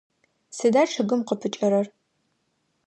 Сыда чъыгым къыпыкӏэрэр?